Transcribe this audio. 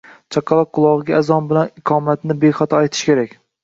Chaqaloq qulog’iga azon bilan iqomatni bexato aytish kerak.